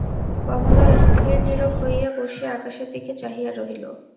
কমলা স্থিরনীরব হইয়া বসিয়া আকাশের দিকে চাহিয়া রহিল।